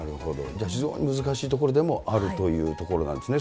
じゃあ、非常に難しいところでもあるというところなんですね。